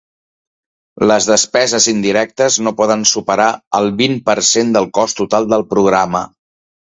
Les despeses indirectes no poden superar el vint per cent del cost total del programa.